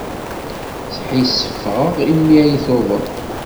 Sḥissifeɣ imi ay tuḍen.